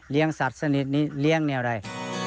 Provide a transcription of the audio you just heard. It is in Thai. เลี้ยงสัตว์สนิทนี้เลี้ยงนี่อะไร